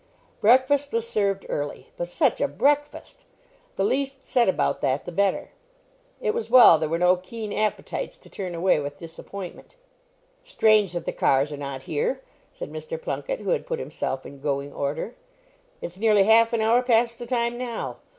Breakfast was served early; but such a breakfast! the least said about that the better. It was well there were no keen appetites to turn away with disappointment. "Strange that the cars are not here!" said Mr. Plunket, who had put himself in going order. "It's nearly half an hour past the time now.